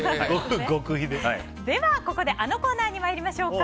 ここであのコーナーに参りましょうか。